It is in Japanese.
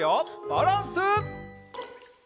バランス。